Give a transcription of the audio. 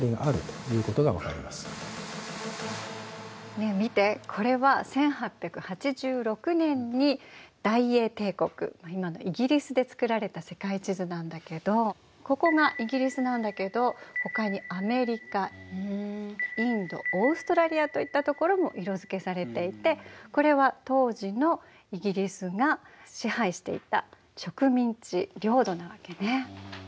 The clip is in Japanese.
ねえ見てこれは１８８６年に大英帝国今のイギリスで作られた世界地図なんだけどここがイギリスなんだけどほかにアメリカインドオーストラリアといったところも色づけされていてこれは当時のイギリスが支配していた植民地領土なわけね。